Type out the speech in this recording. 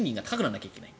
いきゃいけない。